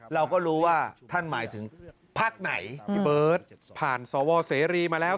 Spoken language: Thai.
เราก็รู้ว่าท่านหมายถึงพักไหนพี่เบิร์ตผ่านสวเสรีมาแล้ว